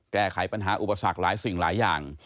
แก้ไขปัญหาอุปสรรคหลายสิ่งหลายอย่าง